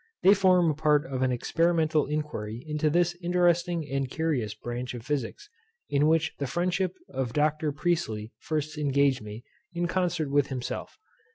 They form a part of an experimental inquiry into this interesting and curious branch of Physics; in which the friendship of Dr. Priestley first engaged me, in concert with himself.